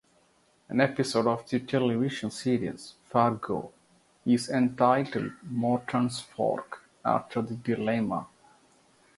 An episode of the television series "Fargo" is entitled "Morton's Fork", after the dilemma.